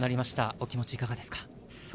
お気持ち、いかがですか？